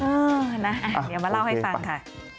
เอาล่ะเดี๋ยวน้าเล่าให้ฟังค่ะ